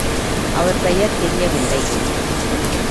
அவர் பெயர் தெரியவில்லை.